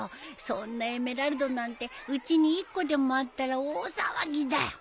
そんなエメラルドなんてうちに１個でもあったら大騒ぎだよ。